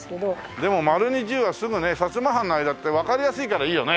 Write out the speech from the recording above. でも丸に十はすぐね「摩藩のあれだ」ってわかりやすいからいいよね。